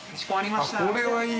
はい！